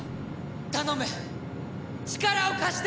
頼む力を貸してほしい！